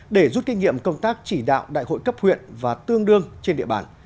để rút kinh nghiệm công tác chỉ đạo đại hội cấp huyện và tương đương trên địa bàn